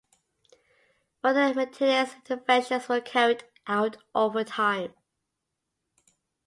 Further maintenance interventions were carried out over time.